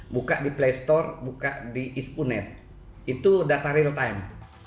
buka di playstore buka di ispunet itu data real time